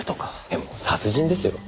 でも殺人ですよ。